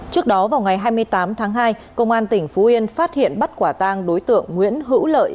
trước đó vào ngày hai mươi tám tháng hai công an tỉnh phú yên phát hiện bắt quả tang đối tượng nguyễn hữu lợi